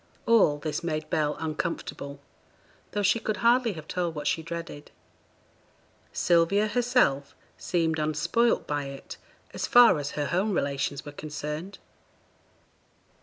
All this made Bell uncomfortable, though she could hardly have told what she dreaded. Sylvia herself seemed unspoilt by it as far as her home relations were concerned.